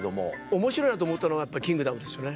面白いなと思ったのはやっぱ『キングダム』ですよね。